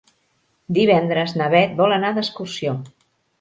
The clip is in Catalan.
Divendres na Beth vol anar d'excursió.